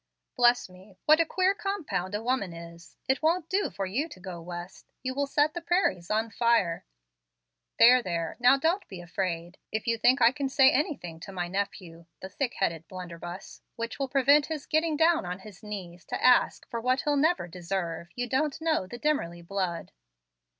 "Bless me, what a queer compound a woman is! It won't do for you to go West. You will set the prairies on fire. There, there, now don't be afraid. If you think I can say anything to my nephew the thick headed blunderbuss which will prevent his getting down on his knees to ask for what he'll never deserve, you don't know the Dimmerly blood.